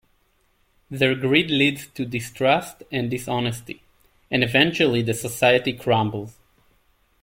Their greed leads to distrust and dishonesty, and eventually the society crumbles.